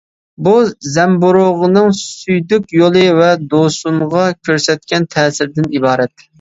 بۇ زەمبۇرۇغنىڭ سۈيدۈك يولى ۋە دوۋسۇنغا كۆرسەتكەن تەسىرىدىن ئىبارەت.